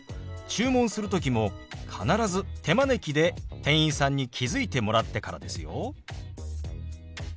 注文する時も必ず手招きで店員さんに気付いてもらってからですよ。